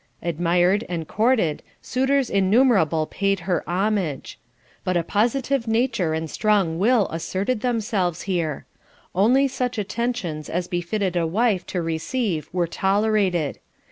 Admired and courted, suitors innumerable paid her homage. But a positive nature and strong will asserted themselves here. Only such attentions as befitted a wife to receive were tolerated.